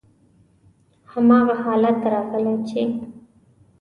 هماغه حالت راغلی چې: